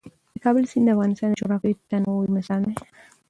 د کابل سیند د افغانستان د جغرافیوي تنوع یو مثال دی.